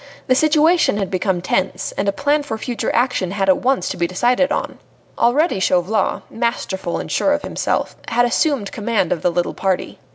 The situation had become tense, and a plan for future action had at once to be decided on. Already Chauvelin, masterful and sure of himself, had assumed command of the little party.